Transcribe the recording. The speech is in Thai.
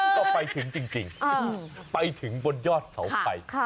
ก็ไปถึงจริงไปถึงบนยอดเสาไฟ